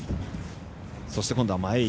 そして今度は前襟。